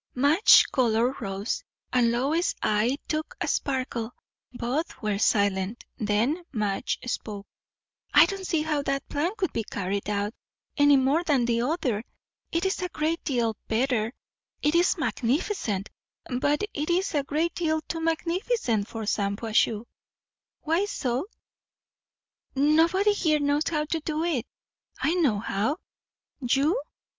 Madge's colour rose, and Lois's eye took a sparkle; both were silent. Then Madge spoke. "I don't see how that plan could be carried out, any more than the other. It is a great deal better, it is magnificent; but it is a great deal too magnificent for Shampuashuh." "Why so?" "Nobody here knows how to do it." "I know how." "You!